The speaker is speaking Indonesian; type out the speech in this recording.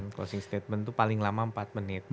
closing statement itu paling lama empat menit